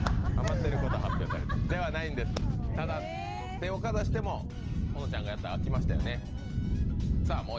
手をかざしても、このちゃんがやったら開きましたよね。